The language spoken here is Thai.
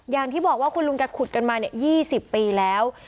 อย่างที่บอกว่าคุณลุงแกขุดกันมา๒๐ปีแล้ว